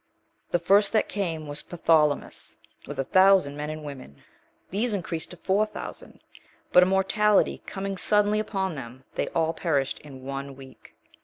The first that came was Partholomus,(1) with a thousand men and women; these increased to four thousand; but a mortality coming suddenly upon them, they all perished in one week.